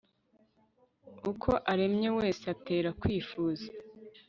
uko aremye wese atera kwifuza